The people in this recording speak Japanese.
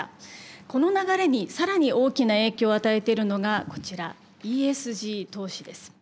この流れに更に大きな影響を与えているのがこちらＥＳＧ投資です。